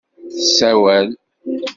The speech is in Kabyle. Tessawel.